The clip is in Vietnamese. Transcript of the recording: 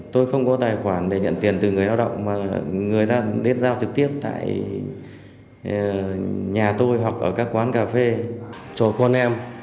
tôi không có tài khoản để nhận tiền từ người lao động mà người đã đến giao trực tiếp tại nhà tôi hoặc ở các quán cà phê cho con em